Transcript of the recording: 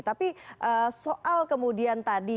tapi soal kemudian tadi